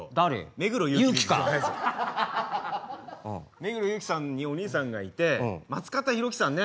目黒祐樹さんにお兄さんがいて松方弘樹さんね。